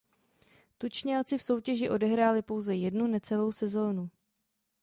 Tučňáci v soutěži odehráli pouze jednu necelou sezónu.